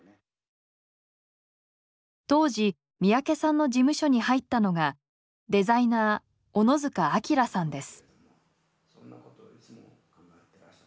当時三宅さんの事務所に入ったのがデザイナー小野塚秋良さんです。